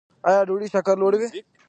ایا ډوډۍ شکر لوړوي؟